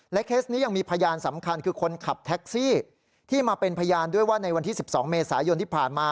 เคสนี้ยังมีพยานสำคัญคือคนขับแท็กซี่ที่มาเป็นพยานด้วยว่าในวันที่๑๒เมษายนที่ผ่านมา